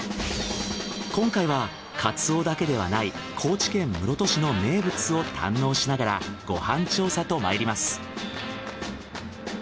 今回はカツオだけではない高知県室戸市の名物を堪能しながらご飯調査とまいります。